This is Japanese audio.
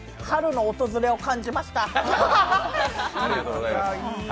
春の訪れを感じました。